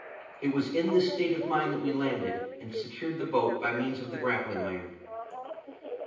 It was in this state of mind that we landed, and secured the boat by means of the grappling iron.